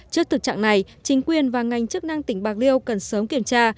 trước thực trạng này chính quyền và ngành chức năng tỉnh bạc liêu cần sớm kiểm tra